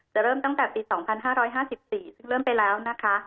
เริ่มตั้งแต่ปี๒๕๕๔ซึ่งเริ่มไปแล้วนะคะ